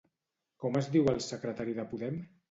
Com es diu el secretari de Podem?